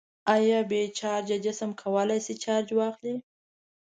آیا بې چارجه جسم کولی شي چارج واخلي؟